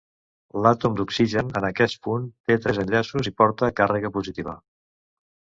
L'àtom d'oxigen en aquest punt té tres enllaços i porta càrrega positiva.